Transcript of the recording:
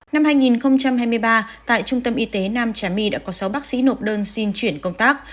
năm hai nghìn hai mươi ba tại trung tâm y tế nam trà my đã có sáu bác sĩ nộp đơn xin chuyển công tác